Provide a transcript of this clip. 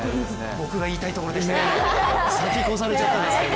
僕が言いたいところでしたけど。